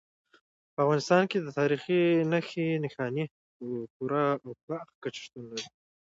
په افغانستان کې د تاریخ نښې نښانې په پوره او پراخه کچه شتون لري.